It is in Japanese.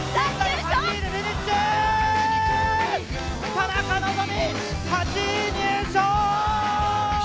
田中希実、８位入賞！